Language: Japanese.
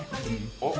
おっ。